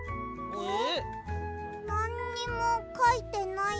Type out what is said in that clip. えっ！